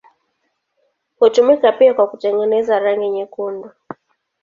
Hutumika pia kwa kutengeneza rangi nyekundu.